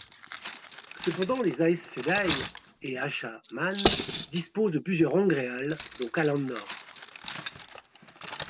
Cependant, les Aes Sedai et Asha'man disposent de plusieurs angreals, dont Callandor.